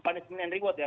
punishment and reward ya